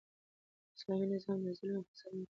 اسلامي نظام د ظلم او فساد مخ نیسي.